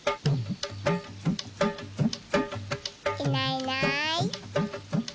いないいない。